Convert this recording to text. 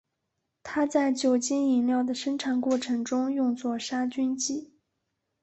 它在酒精饮料的生产过程中用作杀菌剂。